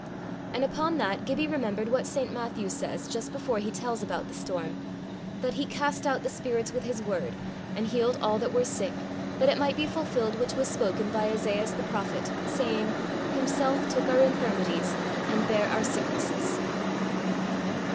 And upon that Gibbie remembered what St. Matthew says just before he tells about the storm that "he cast out the spirits with his word, and healed all that were sick, that it might be fulfilled which was spoken by Esaias the prophet, saying, Himself took our infirmities, and bare our sicknesses."